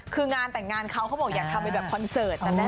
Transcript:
คืองานแต่งงานไหนเขาบอกอยากทำให้แบบคอนเซิร์ต